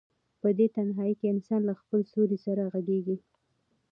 په دې تنهایۍ کې انسان له خپل سیوري سره غږېږي.